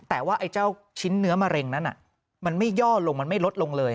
แต่ว่าไอ้เจ้าชิ้นเนื้อมะเร็งนั้นมันไม่ย่อลงมันไม่ลดลงเลย